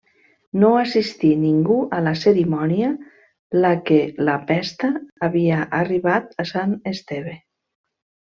No assistí ningú a la cerimònia la que la pesta havia arribat a Sant Esteve.